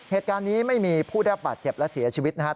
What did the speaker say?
เหตุการณ์นี้ไม่มีผู้ได้รับบาดเจ็บและเสียชีวิตนะครับ